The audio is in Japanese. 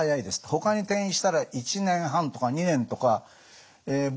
ほかに転移したら１年半とか２年とか膀胱がんは速いんですよ